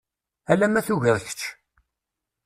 Ala ma tugiḍ kečč.